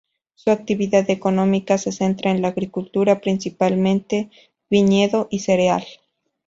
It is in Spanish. Su actividad económica se centra en la agricultura, principalmente viñedo, y cereal.